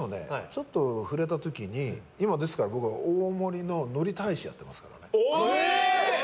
ちょっと触れた時に今、ですから僕大森の海苔大使やってますからね。